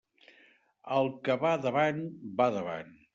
El que va davant, va davant.